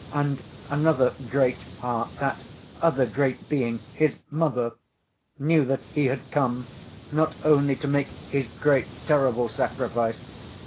and another great heart, that other great being, His Mother, knew that He had come not only to make His great terrible sacrifice.